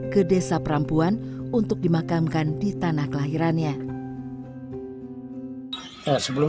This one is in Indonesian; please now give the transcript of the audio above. kece empat puluh tujuh film katcode untuk beban kristian nasional